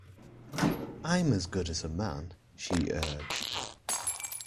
I'm as good as a man, she urged.